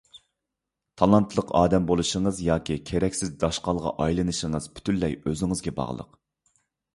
تالانتلىق ئادەم بولۇشىڭىز ياكى كېرەكسىز داشقالغا ئايلىنىشىڭىز پۈتۈنلەي ئۆزىڭىزگە باغلىق.